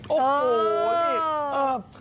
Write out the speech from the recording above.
โอ้โหนี่